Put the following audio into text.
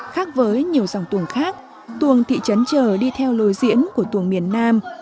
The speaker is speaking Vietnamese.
khác với nhiều dòng tuồng khác tuồng thị trấn trở đi theo lối diễn của tuồng miền nam